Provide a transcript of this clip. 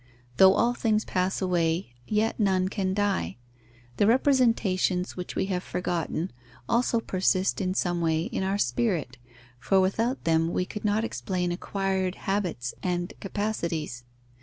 Though all things pass away, yet none can die. The representations which we have forgotten, also persist in some way in our spirit, for without them we could not explain acquired habits and capacities.